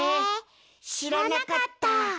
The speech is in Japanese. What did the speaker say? しらなかった！